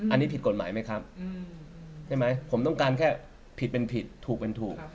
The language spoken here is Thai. อันนี้ผิดกฎหมายไหมครับใช่ไหมผมต้องการแค่ผิดเป็นผิดถูกเป็นถูก